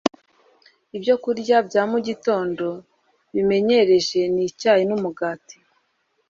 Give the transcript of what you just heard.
Ibyokurya bya mugitondo bimenyereje ni icyayi numugati